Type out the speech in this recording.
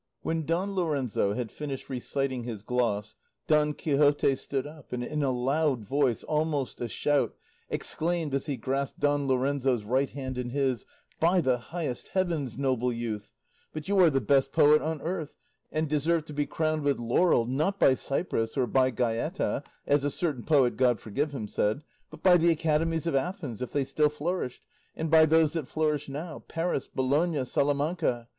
When Don Lorenzo had finished reciting his gloss, Don Quixote stood up, and in a loud voice, almost a shout, exclaimed as he grasped Don Lorenzo's right hand in his, "By the highest heavens, noble youth, but you are the best poet on earth, and deserve to be crowned with laurel, not by Cyprus or by Gaeta as a certain poet, God forgive him, said but by the Academies of Athens, if they still flourished, and by those that flourish now, Paris, Bologna, Salamanca.